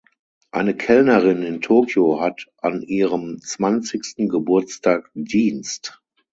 Eine Kellnerin in Tokio hat an ihrem zwanzigsten Geburtstag Dienst.